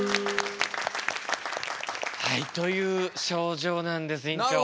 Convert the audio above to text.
はいという症状なんです院長。